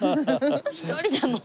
「一人だもん」。